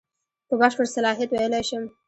په بشپړ صلاحیت ویلای شم.